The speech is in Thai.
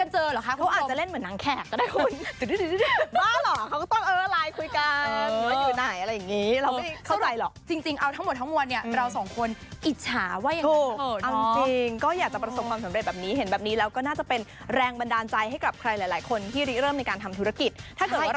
ถูกต้องแล้วไอขวาแล้วนายอิตชาตาร้อนกันมั้ย